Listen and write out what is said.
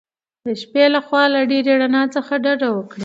د شپې له خوا د ډېرې رڼا څخه ډډه وکړئ.